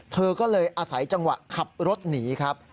เธอก็เลยอาศัยจังหวะขับรถหนีครับ